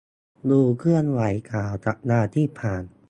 ดูเคลื่อนไหวข่าวสัปดาห์ที่ผ่าน